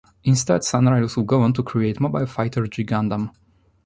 Instead, Sunrise would go on to create "Mobile Fighter G Gundam".